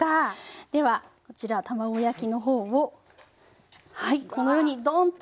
ではこちら卵焼きの方をはいこのようにドンッと。